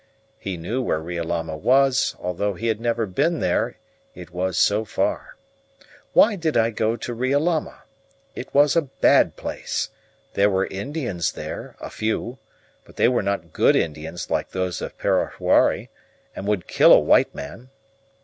He knew where Riolama was, although he had never been there: it was so far. Why did I go to Riolama? It was a bad place. There were Indians there, a few; but they were not good Indians like those of Parahuari, and would kill a white man.